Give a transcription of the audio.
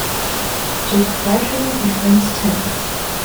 Jake gradually befriends Tim.